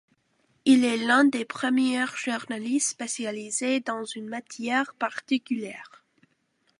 Il est l'un des premiers journalistes spécialisés dans une matière particulière.